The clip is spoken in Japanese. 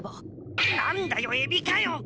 何だよエビかよ！